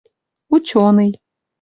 Учёный